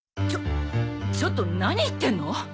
ちょちょっと何言ってんの！？